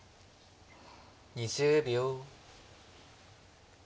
２０秒。